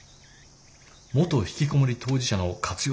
元ひきこもり当事者の活用